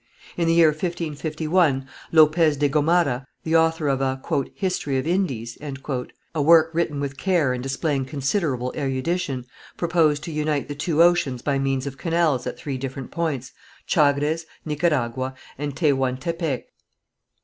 In the year 1551 Lopez de Gomara, the author of a "History of Indies," a work written with care and displaying considerable erudition, proposed to unite the two oceans by means of canals at three different points, Chagres, Nicaragua and Tehuantepec.